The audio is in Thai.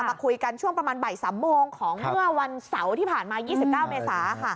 มาคุยกันช่วงประมาณบ่าย๓โมงของเมื่อวันเสาร์ที่ผ่านมา๒๙เมษาค่ะ